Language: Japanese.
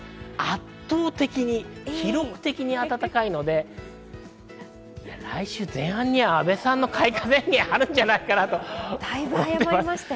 圧倒的に記録的に暖かいので、来週前半には阿部さんの開花宣言あるじゃないかなと思ってます。